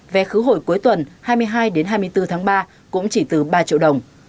vé khứ hồi cuối tuần hai mươi hai đến hai mươi bốn tháng ba cũng chỉ từ ba triệu đồng